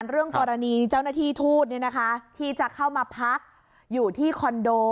เรื่องกรณีเจ้าหน้าที่ทูตที่จะเข้ามาพักอยู่ที่คอนโด